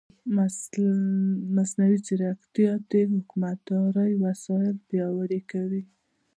مصنوعي ځیرکتیا د حکومتدارۍ وسایل پیاوړي کوي.